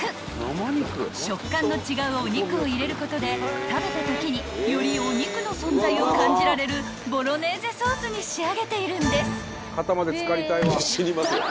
［食感の違うお肉を入れることで食べたときによりお肉の存在を感じられるボロネーゼソースに仕上げているんです］